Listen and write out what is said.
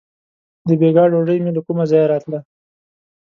• د بېګا ډوډۍ مې له کومه ځایه راتله.